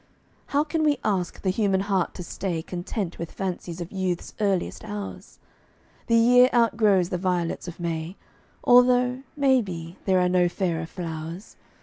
How can we ask the human heart to stay Content with fancies of Youth's earliest hours? The year outgrows the violets of May, Although, maybe, there are no fairer flowers.